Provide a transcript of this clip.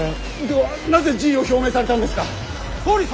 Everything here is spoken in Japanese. ではなぜ辞意を表明されたんですか？